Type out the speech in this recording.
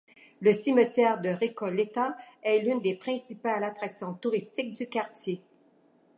Le cimetière de Recoleta est l'une des principales attractions touristiques du quartier.